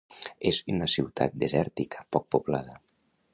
És una ciutat desèrtica, poc poblada.